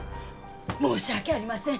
申し訳ありません。